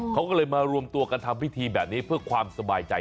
เขาก็เลยมารวมตัวกันทำพิธีแบบนี้เพื่อความสบายใจ